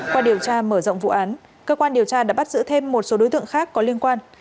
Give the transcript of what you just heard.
qua điều tra mở rộng vụ án cơ quan điều tra đã bắt giữ thêm một số đối tượng khác có liên quan